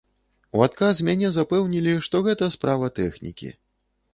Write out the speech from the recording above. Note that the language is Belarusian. У адказ мяне запэўнілі, што гэта справа тэхнікі.